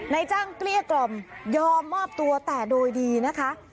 นายจ้างเกลี้ยกล่อมยอมมอบตัวแต่โดยดีนะคะ